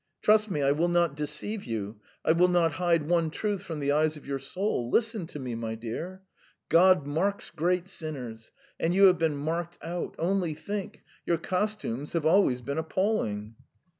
"Trust me, I will not deceive you, I will not hide one truth from the eyes of your soul. Listen to me, my dear. ... God marks great sinners, and you have been marked out: only think your costumes have always been appalling."